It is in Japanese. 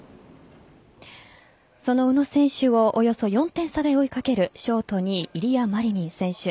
その宇野選手をおよそ４点差で追いかけるショート２位イリア・マリニン選手。